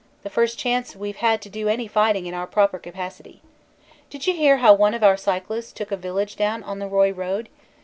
"The first chance we ve had to do any fighting in our proper capacity. Did you hear how one of our cyclists took a village down on the Roye road?